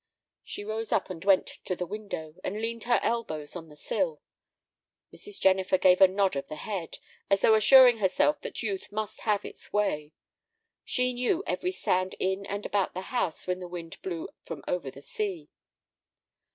She rose up and went to the window, and leaned her elbows on the sill. Mrs. Jennifer gave a nod of the head, as though assuring herself that youth must have its way. She knew every sound in and about the house when the wind blew from over the sea.